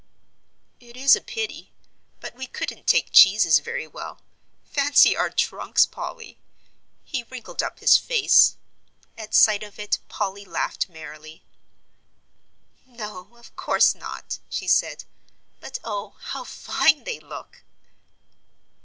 "It is a pity; but we couldn't take cheeses very well. Fancy our trunks, Polly!" He wrinkled up his face; at sight of it Polly laughed merrily. "No, of course not," she said; "but oh, how fine they look!"